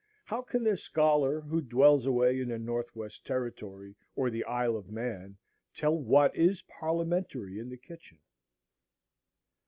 How can the scholar, who dwells away in the North West Territory or the Isle of Man, tell what is parliamentary in the kitchen?